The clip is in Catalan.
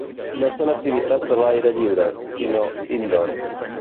No són activitats a l'aire lliure, sinó "indoor".